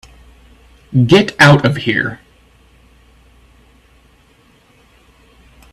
Get out of here.